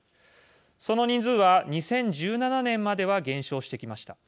その人数は、２０１７年までは減少してきました。